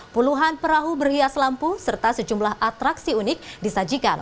puluhan perahu berhias lampu serta sejumlah atraksi unik disajikan